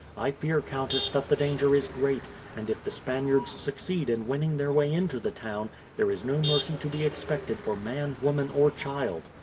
I fear, countess, that the danger is great; and if the Spaniards succeed in winning their way into the town, there is no mercy to be expected for man, woman, or child.